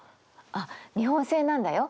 あっ日本製なんだよ。